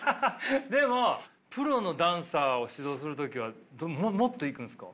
でもプロのダンサーを指導する時はもっといくんですか。